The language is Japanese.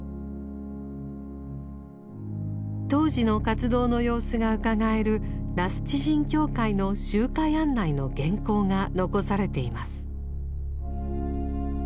当時の活動の様子がうかがえる羅須地人協会の集会案内の原稿が残されています。